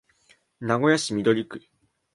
名古屋市緑区